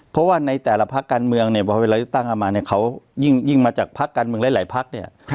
เพราะว่าในแต่ละพักการเมืองเนี่ยพอเวลาตั้งเอามาเนี่ยเขายิ่งมาจากพักการเมืองหลายพักเนี่ย